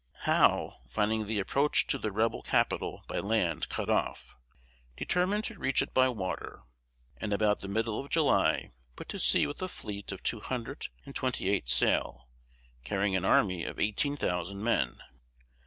Howe, finding the approach to the "rebel capital" by land cut off, determined to reach it by water, and about the middle of July put to sea with a fleet of two hundred and twenty eight sail, carrying an army of eighteen thousand men.